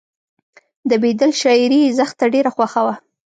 د بیدل شاعري یې زښته ډېره خوښه وه